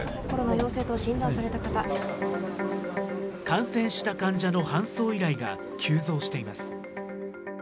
感染した患者の搬送依頼が急増しています。